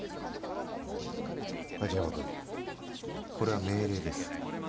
梶山くんこれは命令です。